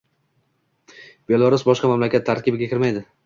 Belarus boshqa mamlakat tarkibiga kirmaydi!